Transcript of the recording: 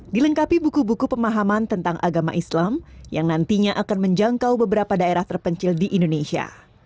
dilengkapi buku buku pemahaman tentang agama islam yang nantinya akan menjangkau beberapa daerah terpencil di indonesia